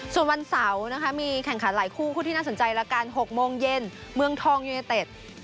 ส่วนวันเสาร์นะคะมีแข่งขันหลายคู่คู่ที่น่าสนใจละกัน๖โมงเย็นเมืองทองยูเนเต็ด